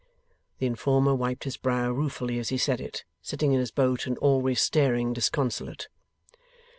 The informer wiped his brow ruefully as he said it, sitting in his boat and always staring disconsolate.